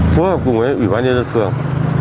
phối hợp cùng với ủy ban nhân dân phường